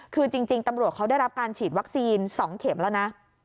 คือจริงตำรวจเขาได้รับการฉีดวัคซีน๒เข็มแล้วนะ